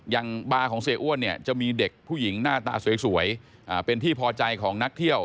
อย่างบาร์ของเสียอ้วนเนี่ยจะมีเด็กผู้หญิงหน้าตาสวยเป็นที่พอใจของนักเที่ยว